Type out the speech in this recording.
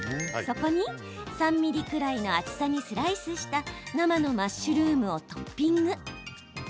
そこに、３ｍｍくらいの厚さにスライスした生のマッシュルームをトッピング。